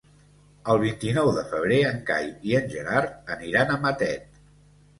El vint-i-nou de febrer en Cai i en Gerard aniran a Matet.